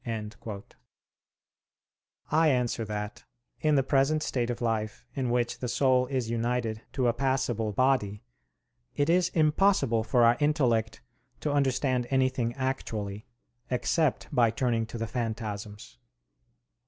I answer that, In the present state of life in which the soul is united to a passible body, it is impossible for our intellect to understand anything actually, except by turning to the phantasms.